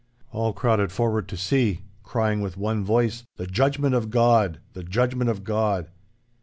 All crowded forward to see, crying with one voice, 'The Judgment of God! The Judgment of God!